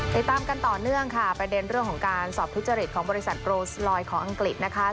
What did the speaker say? ติดตามกันต่อเนื่องค่ะประเด็นเรื่องของการสอบทุจริตของบริษัทโปรสลอยของอังกฤษนะคะ